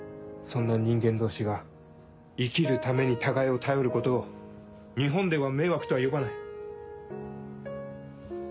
そんな人間同士が生きるために互いを頼ることを日本では迷惑とは呼ばない。